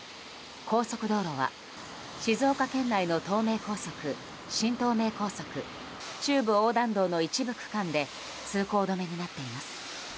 高速道路は静岡県内の東名高速新東名高速中部横断道の一部区間で通行止めになっています。